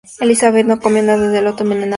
Elizabeth no comió nada del lote envenenado.